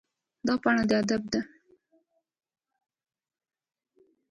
دا پاڼه د ادب ده.